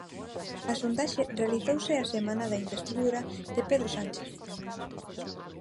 A sondaxe realizouse a semana da investidura de Pedro Sánchez.